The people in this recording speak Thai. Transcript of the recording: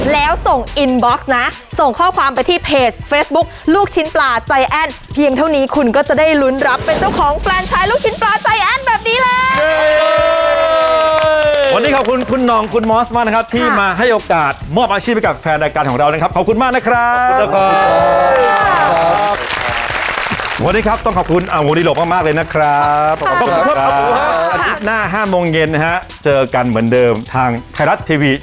ลองไปปรับใช้ดูนะครับท่านผู้ชมรับรองรู้เรื่องเฮ่งปังรวย